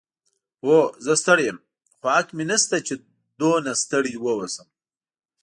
هو، زه ستړی یم، خو حق مې نشته چې دومره ستړی واوسم.